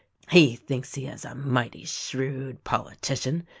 He thinks he is a mighty shrewd politician.